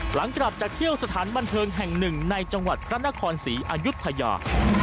หลังกลับจากเที่ยวสถานบันเทิงแห่งหนึ่งในจังหวัดพระนครศรีอายุทยา